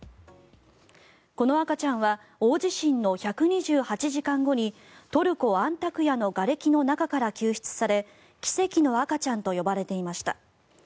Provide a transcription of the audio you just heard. この赤ちゃんは大地震の１２８時間後にトルコ・アンタクヤのがれきの中から救出され奇跡の赤ちゃんと呼ばれていました。